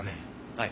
はい。